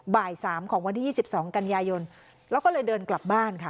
บ่ายสามของวันที่๒๒กันยายนแล้วก็เลยเดินกลับบ้านค่ะ